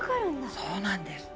そうなんです。